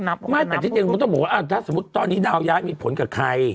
ไม่แต่ที่จริงมันต้องบอกว่าถ้าสมมุติตอนนี้ดาวย้ายมีผลกับใคร